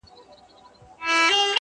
ساقي نن مه کوه د خُم د تشیدو خبري٫